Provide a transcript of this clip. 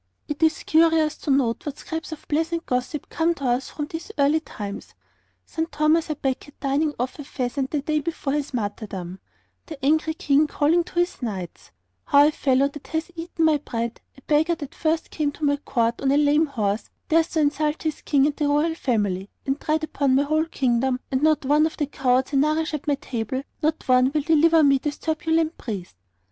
It is curious to note what scraps of pleasant gossip come to us from these early times: St. Thomas à Becket dining off a pheasant the day before his martyrdom; the angry King calling to his knights, 'How a fellow that hath eaten my bread, a beggar that first came to my Court on a lame horse, dares to insult his King and the Royal Family, and tread upon my whole kingdom, and not one of the cowards I nourish at my table, not one will deliver me of this turbulent priest!'